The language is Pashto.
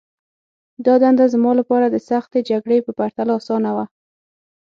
دا دنده زما لپاره د سختې جګړې په پرتله آسانه وه